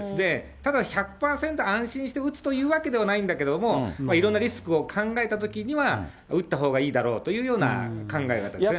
ただ１００％安心して打つというわけではないんだけど、いろんなリスクを考えたときには、打ったほうがいいだろうというような考え方ですね。